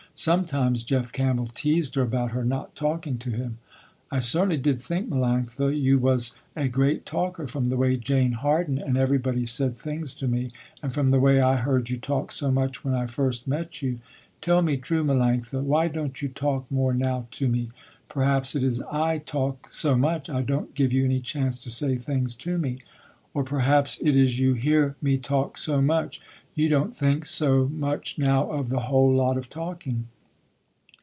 Sometimes Jeff Campbell teased her about her not talking to him. "I certainly did think Melanctha you was a great talker from the way Jane Harden and everybody said things to me, and from the way I heard you talk so much when I first met you. Tell me true Melanctha, why don't you talk more now to me, perhaps it is I talk so much I don't give you any chance to say things to me, or perhaps it is you hear me talk so much you don't think so much now of a whole lot of talking.